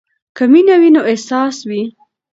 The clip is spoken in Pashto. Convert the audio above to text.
که مینه وي نو اساس وي.